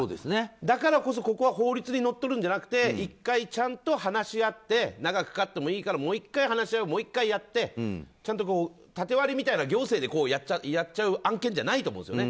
だからこそ、ここは法律にのっとるんじゃなくて１回ちゃんと話し合って長くかかってもいいからもう１回話し合いをやってちゃんと縦割りみたいな行政でやっちゃう案件じゃないと思うんですね。